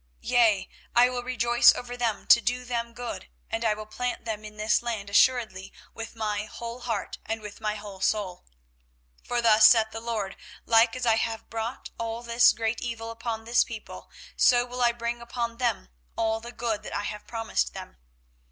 24:032:041 Yea, I will rejoice over them to do them good, and I will plant them in this land assuredly with my whole heart and with my whole soul. 24:032:042 For thus saith the LORD; Like as I have brought all this great evil upon this people, so will I bring upon them all the good that I have promised them.